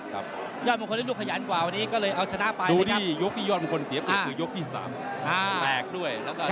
แหลกด้วยแล้วก็โดนหมดมีอาการด้วย